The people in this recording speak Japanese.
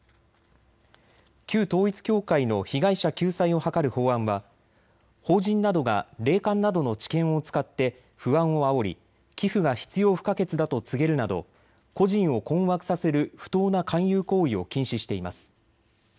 旧統一教会の被害者救済を図る法案は法人などが霊感などの知見を使って不安をあおり寄付が必要不可欠だと告げるなど個人を困惑させる不当な勧誘行為を禁止しています。